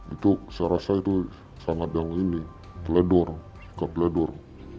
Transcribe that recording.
itu saya rasa itu sangat yang ini teledor